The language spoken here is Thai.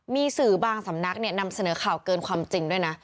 มีสื่อบางสำนักนำเสนอข่าวเกินความจริงด้วยนะ